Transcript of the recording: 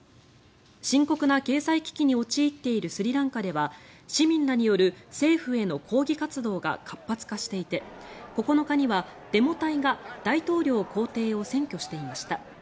深刻な経済危機に陥っているスリランカでは市民らによる政府への抗議活動が活発化していて９日にはデモ隊が大統領公邸を占拠していました。